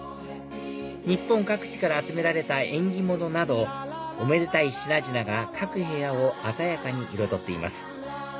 日本各地から集められた縁起物などおめでたい品々が各部屋を鮮やかに彩っています